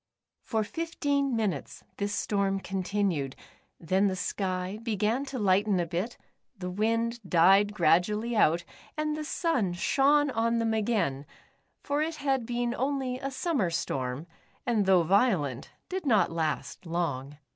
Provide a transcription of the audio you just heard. For fifteen minutes this storm continued, then the sky began to lighten a bit, the wind died gradually out, and the sun shone on them again, for it had been only a summer storm, and though violent, did not last long.